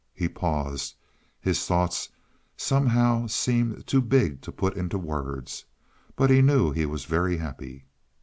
He paused; his thoughts somehow seemed too big to put into words. But he knew he was very happy.